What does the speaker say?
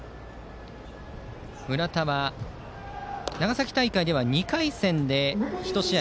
村田は、長崎大会で２回戦で１試合